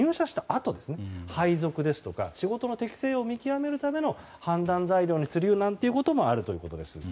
あと配属ですとか仕事の適性を見極めるための判断材料にするということもあるということです。